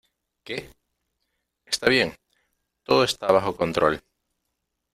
¿ Qué? Está bien. todo está bajo control .